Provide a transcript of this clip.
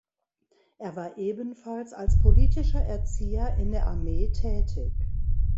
Er war ebenfalls als „politischer Erzieher“ in der Armee tätig.